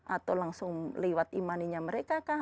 atau langsung lewat e moneynya mereka kah